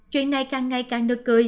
chuyện này càng ngày càng nức cười